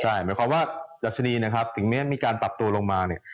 ใช่หมายความว่าดัชนีนะครับถึงแม้มีการปรับตัวลงมาเนี่ย